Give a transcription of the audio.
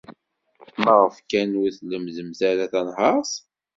Maɣef kan ur tlemmdemt ara tanhaṛt?